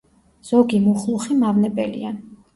ზოგი მუხლუხი მავნებელია.